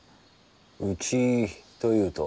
うちというと？